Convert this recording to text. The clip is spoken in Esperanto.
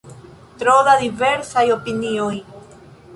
Tro da diversaj opinioj.